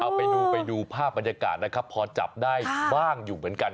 เอาไปดูไปดูภาพบรรยากาศนะครับพอจับได้บ้างอยู่เหมือนกัน